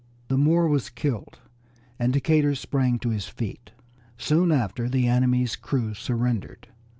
The Moor was killed, and Decatur sprang to his feet. Soon after the enemy's crew surrendered.